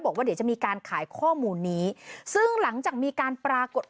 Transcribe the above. บอกว่าเดี๋ยวจะมีการขายข้อมูลนี้ซึ่งหลังจากมีการปรากฏ